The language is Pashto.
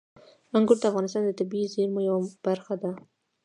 انګور د افغانستان د طبیعي زیرمو یوه برخه ده.